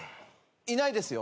いないですよ。